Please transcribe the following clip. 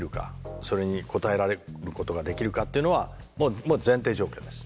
それに応えられることができるかっていうのはもう前提条件です。